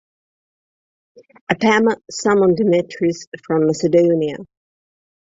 Apama summoned Demetrius from Macedonia.